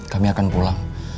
kami akan pulang